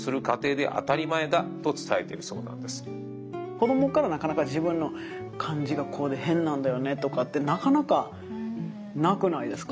子どもからなかなか「自分の感じがこうで変なんだよね」とかってなかなかなくないですか？